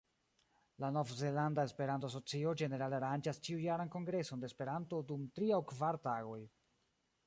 La Nov-Zelanda Esperanto-Asocio ĝenerale aranĝas ĉiujaran kongreson de Esperanto dum tri aŭ kvar tagoj.